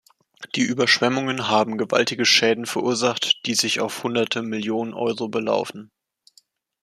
Die Überschwemmungen haben gewaltige Schäden verursacht, die sich auf Hunderte Millionen Euro belaufen.